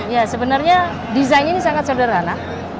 ya sebenarnya desainnya ini sangat sederhana